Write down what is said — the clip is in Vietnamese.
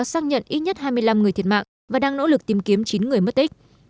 vụ cháy tàu lặn tiếu hộ đã xác nhận ít nhất hai mươi năm người thiệt mạng và đang nỗ lực tìm kiếm chín người mất tích